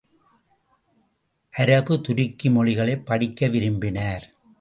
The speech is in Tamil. அரபு, துருக்கி மொழிகளைப் படிக்க விரும்பினார்.